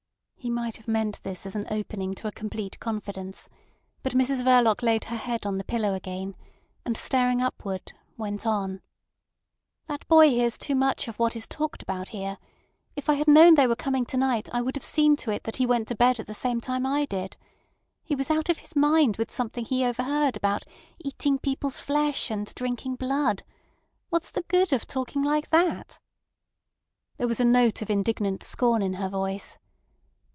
He might have meant this as an opening to a complete confidence; but Mrs Verloc laid her head on the pillow again, and staring upward, went on: "That boy hears too much of what is talked about here. If I had known they were coming to night I would have seen to it that he went to bed at the same time I did. He was out of his mind with something he overheard about eating people's flesh and drinking blood. What's the good of talking like that?" There was a note of indignant scorn in her voice.